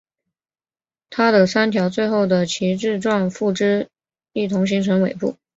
它的三条最后的旗帜状附肢一同形成尾部。